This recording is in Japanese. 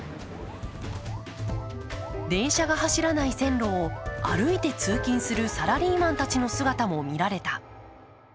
電車が走らない線路を歩いて通勤するサラリーマンたちの姿も見られた。